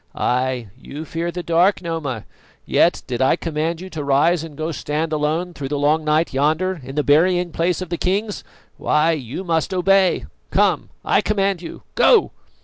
Ay, you fear the dark, Noma; yet did I command you to rise and go stand alone through the long night yonder in the burying place of kings, why, you must obey. Come, I command you go!"